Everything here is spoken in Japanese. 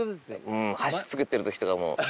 うん橋造ってる時とかも。